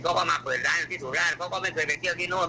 เขาก็มาเปิดร้านอยู่ที่ถูกร้าน